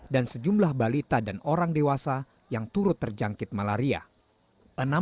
dan sejumlah balita dan orang dewasa yang turut terjangkit malaria